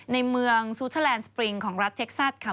ในเมืองซูเทอร์แลนด์สปริงของรัฐเท็กซัสค่ะ